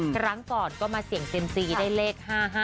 ครั้งก่อนก็มาเสี่ยงเซียมซีได้เลข๕๕